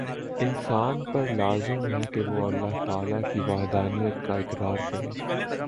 انسان پر لازم ہے کہ وہ اللہ تعالی کی وحدانیت کا اقرار کرے